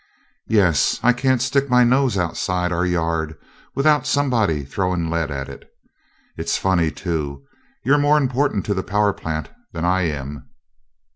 "Yes I can't stick my nose outside our yard without somebody throwing lead at it. It's funny, too. You're more important to the power plant than I am."